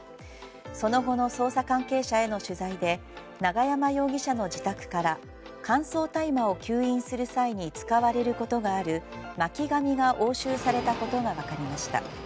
その後の捜査関係者への取材で永山容疑者の自宅から乾燥大麻を吸引する際に使われることがある巻紙が押収されたことが分かりました。